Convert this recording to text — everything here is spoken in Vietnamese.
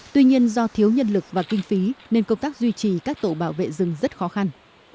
tuy nhiên do thiếu nhân lực và kinh phí nên công tác duy trì các tổ bảo vệ rừng rất khó khăn